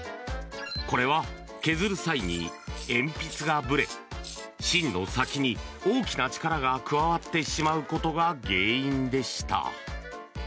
これは削る際に鉛筆がぶれ芯の先に大きな力が加わってしまうことが原因でした。